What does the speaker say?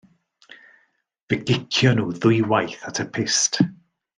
Fe gicion nhw ddwywaith at y pyst.